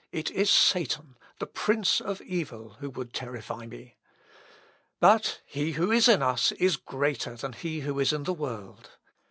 It is Satan, the prince of evil, who would terrify me. But he who is in us is greater than he who is in the world.